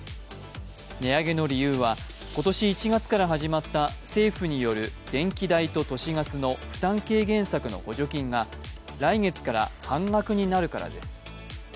値上げの理由は今年１月から始まった政府による電気代と都市ガスの負担軽減策の補助金が来月から半額になるからです。